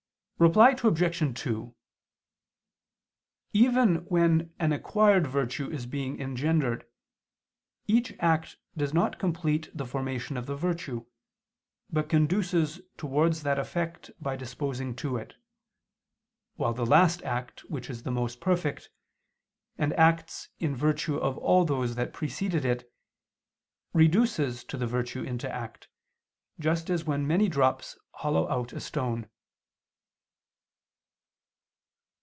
Reply Obj. 2: Even when an acquired virtue is being engendered, each act does not complete the formation of the virtue, but conduces towards that effect by disposing to it, while the last act, which is the most perfect, and acts in virtue of all those that preceded it, reduces the virtue into act, just as when many drops hollow out a stone.